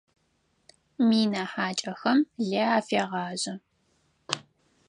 Мина хьакӏэхэм лы афегъажъэ.